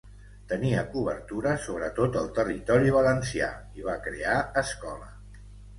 Tenia cobertura sobre tot el territori valencià i va crear escola.